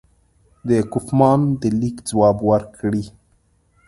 د کوفمان د لیک ځواب ورکړي.